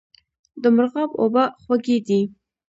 د مرغاب اوبه خوږې دي